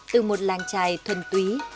từ một làng trài thuần túy